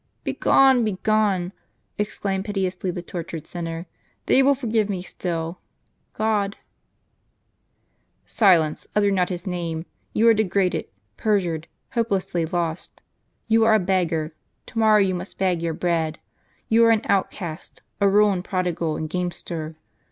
" Begone, begone," exclaimed piteously the tortured sinner. " They will forgive me still. God "" Silence ; utter not His name : you are degraded, perjured, hopelessly lost. You are a beggar; to morrow you must beg your bread. You are an outcast, a ruined prodigal and game ster.